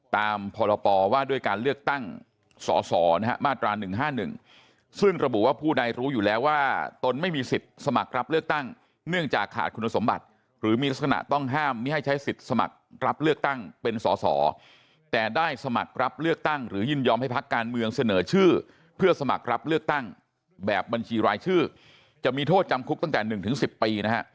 ตามพรปว่าด้วยการเลือกตั้งสอสอมาตรา๑๕๑ซึ่งระบุว่าผู้ใดรู้อยู่แล้วว่าตนไม่มีสิทธิ์สมัครรับเลือกตั้งเนื่องจากขาดคุณสมบัติหรือมีลักษณะต้องห้ามไม่ให้ใช้สิทธิ์สมัครรับเลือกตั้งเป็นสอสอแต่ได้สมัครรับเลือกตั้งหรือยินยอมให้พักการเมืองเสนอชื่อเพื่อสมัครรับเลือกตั้งแบบบัญชีรายชื่อจะมีโทษจำคุกตั้งแต่๑๑๐ปีนะฮะ